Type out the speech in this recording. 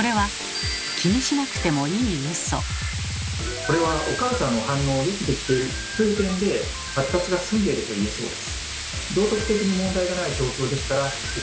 これはお母さんの反応を予期できているという点で発達が進んでいるといえそうです。